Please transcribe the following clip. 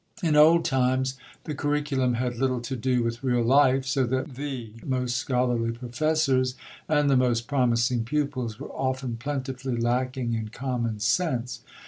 In old times, the curriculum had little to do with real life, so that the most scholarly professors and the most promising pupils were often plentifully lacking in common sense.